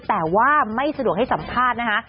แต่ว่าไม่สะดวกให้สัมภาษณ์นะคะ